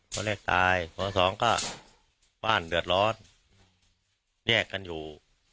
พอแรกตายพอสองก็บ้านเดือดร้อนแยกกันอยู่